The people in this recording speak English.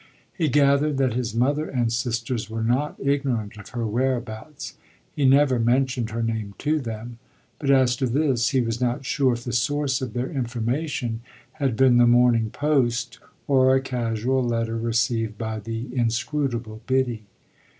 He gathered that his mother and sisters were not ignorant of her whereabouts he never mentioned her name to them but as to this he was not sure if the source of their information had been the Morning Post or a casual letter received by the inscrutable Biddy.